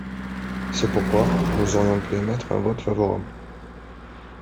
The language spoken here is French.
C’est pourquoi, nous aurions pu émettre un vote favorable.